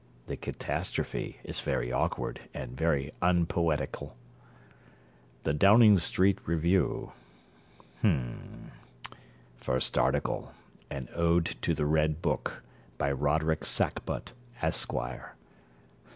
The catastrophe is very awkward, and very unpoetical. 'The Downing Street Review.' Hm. First article An Ode to the Red Book, by Roderick Sackbut, Esquire.